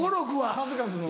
数々の。